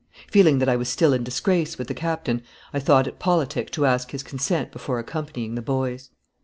Feeling that I was still in disgrace with the Captain, I thought it politic to ask his consent before accompanying the boys.